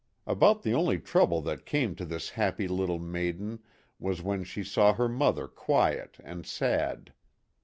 About the only trouble that came to this happy little maiden was when she saw her mother quiet and sad.